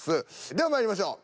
ではまいりましょう。